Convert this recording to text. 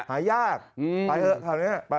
หายากไปเถอะคราวนี้